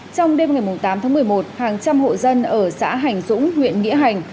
trong đêm ngày tám tháng một mươi một hàng trăm hộ dân ở xã hành dũng huyện nghĩa hành